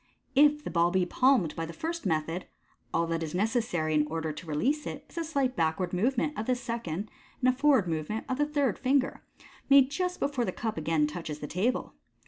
If the ball be palmed by the first method, all that is necc ssary in order to release it is a slight back ward movement of the se cond, and a forward move ment of the third finger, Fig. 124. made just before the cup again touches the table.